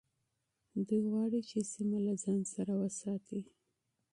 دوی غواړي چي سیمه کنټرول کړي.